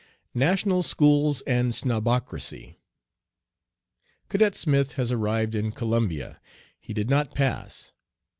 "NATIONAL SCHOOLS AND SNOBOCRACY. "'Cadet Smith has arrived in Columbia. He did not "pass."'